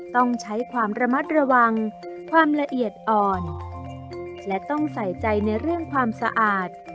ต้องใช้ความระมัดระวังความละเอียดอ่อนและต้องใส่ใจในเรื่องความสะอาด